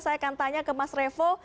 saya akan tanya ke mas revo